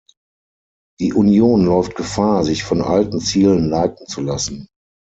Die Union läuft Gefahr, sich von alten Zielen leiten zu lassen.